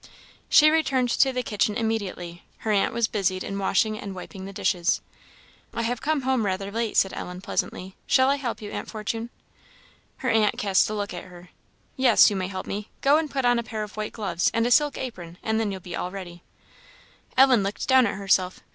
She returned to the kitchen immediately. Her aunt was busied in washing and wiping the dishes. "I have come home rather late," said Ellen, pleasantly; "shall I help you, Aunt Fortune?" Her aunt cast a look at her. "Yes, you may help me. Go and put on a pair of white gloves, and a silk apron, and then you'll be ready." Ellen looked down at herself.